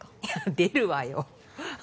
出るわよ